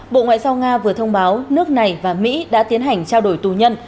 bộ ngoại giao nga vừa thông báo nước này và mỹ đã tiến hành trao đổi tù nhân